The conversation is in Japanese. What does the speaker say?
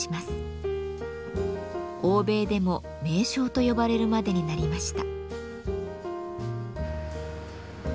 欧米でも名匠と呼ばれるまでになりました。